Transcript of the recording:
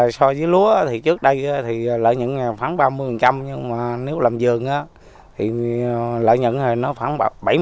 so với lúa trước đây lợi nhận khoảng ba mươi nhưng nếu làm giường thì lợi nhận khoảng bảy mươi